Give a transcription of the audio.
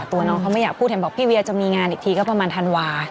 ตัวน้องเขาไม่อยากพูดเห็นบอกพี่เวียจะมีงานอีกทีก็ประมาณธันวา